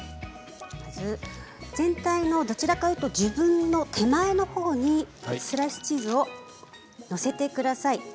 全体のどちらかというと自分の方に手前にスライスチーズを載せてください。